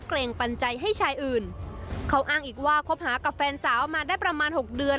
เกรงปัญญาให้ชายอื่นเขาอ้างอีกว่าคบหากับแฟนสาวมาได้ประมาณหกเดือน